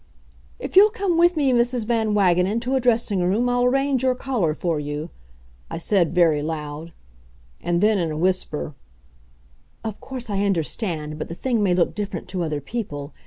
"If you'll come with me, Mrs. Van Wagenen, to a dressing room, I'll arrange your collar for you," I said very loud. And then, in a whisper: "Of course, I understand, but the thing may look different to other people.